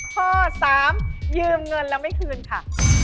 ข้อ๓ยืมเงินแล้วไม่คืนค่ะ